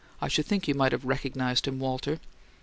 "I should think you might have recognized him, Walter."